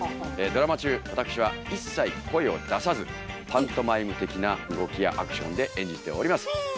ドラマ中私は一切声を出さずパントマイム的な動きやアクションで演じております。